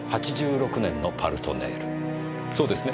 そうですね？